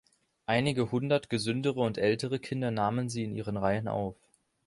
Einige hundert gesündere und ältere Kinder nahmen sie in ihren Reihen auf.